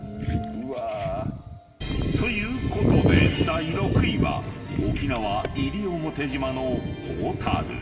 ［ということで第６位は沖縄西表島のホタル］